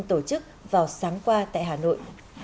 tổ chức vào sáng qua tại hà nội